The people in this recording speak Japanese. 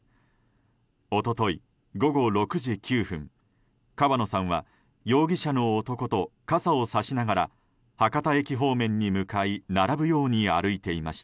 一昨日午後６時９分川野さんは容疑者の男と傘をさしながら博多駅方面に向かい並ぶように歩いていました。